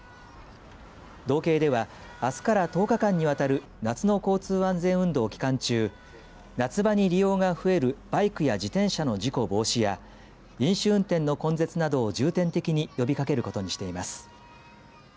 道警ではあすから１０日間に渡る夏の交通安全運動期間中夏場に利用が増えるバイクや自転車の事故防止や飲酒運転の根絶などを重点的に呼びかけることにしています。